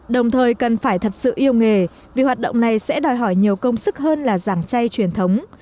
đồng thời cần phải thật sự yêu nghề vì hoạt động này sẽ đòi hỏi nhiều công sức hơn là giảng chay truyền thống